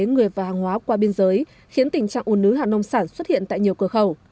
người và hàng hóa qua biên giới khiến tình trạng ủ nứ hàng nông sản xuất hiện tại nhiều cửa khẩu